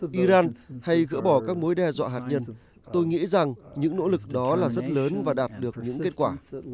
iran hay gỡ bỏ các mối đe dọa hạt nhân tôi nghĩ rằng những nỗ lực đó là rất lớn và đạt được những kết quả